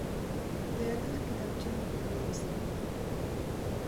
د یادښت کتابچه مې راوویسته.